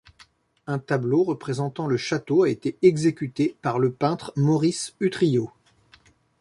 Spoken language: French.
Un tableau représentant le château a été exécuté par le peintre Maurice Utrillo.